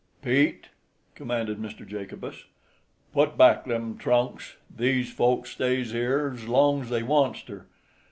"Pete!" commanded Mr. Jacobus, "put back them trunks. These folks stays here's long's they wants ter.